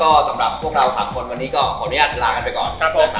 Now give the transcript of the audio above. ก็สำหรับพวกเราครับวันนี้ก็ขออนุญาตลากันไปก่อน